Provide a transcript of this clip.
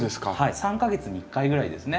３か月に１回ぐらいですね